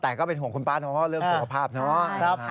แต่ก็เป็นห่วงคุณป้าเนาะเรื่องสุขภาพเนาะ